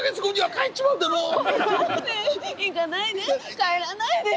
帰らないでよ！